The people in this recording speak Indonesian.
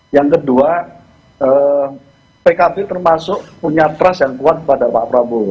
yang kedua pkb termasuk punya trust yang kuat kepada pak prabowo